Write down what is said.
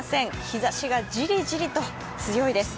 日ざしがじりじりと強いです。